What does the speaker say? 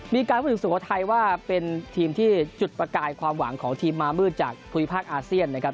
มีการพูดถึงสุโขทัยว่าเป็นทีมที่จุดประกายความหวังของทีมมามืดจากภูมิภาคอาเซียนนะครับ